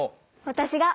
私が。